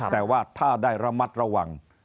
แต่ว่าถ้าได้ระมัดระวัง